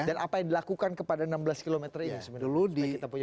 dan apa yang dilakukan kepada enam belas km ini sebenarnya